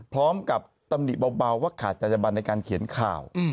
พร้อมกับตำหนิเบาว่าขาดจัดจบันในการเขียนข่าว